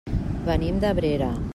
Venim d'Abrera.